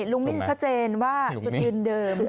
ลุงมิ้นชัดเจนว่าจุดยืนเดิม